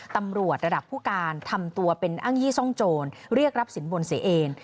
ตำรวจระดับผู้การทำตัวเป็นอ้างยี่ซ่องโจรเรียกรับสินบนเสียเอน